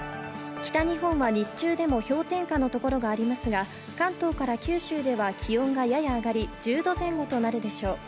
北日本は日中でも氷点下のところがありますが、関東から九州では気温がやや上がり、１０度前後となるでしょう。